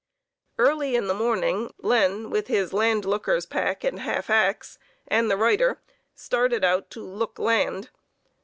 Early in the morning, Len, with his land looker's pack and half ax, and the writer, started out to "look land."